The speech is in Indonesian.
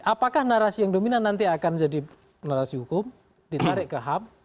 apakah narasi yang dominan nanti akan jadi narasi hukum ditarik ke ham